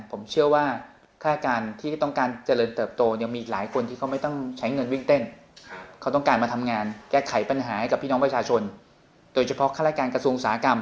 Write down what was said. ผมเชื่อว่าค่าราชการที่ต้องการเจริญเติบโตยังมีหลายคนที่เขาไม่ต้องใช้เงินวิ่งเต้น